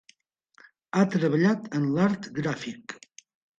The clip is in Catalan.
Ha treballat en l'art gràfic.